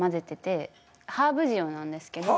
ハーブ塩なんですけど。